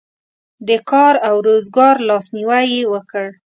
د کار او روزګار لاسنیوی یې وکړ.